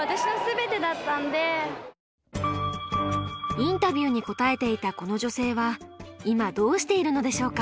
インタビューに答えていたこの女性はいまどうしているのでしょうか。